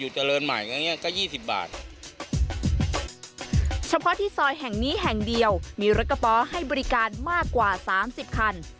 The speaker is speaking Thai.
เฉพาะที่ซอยแห่งนี้แห่งเดียวมีรถกระป๋อให้บริการมากกว่า๓๐คัน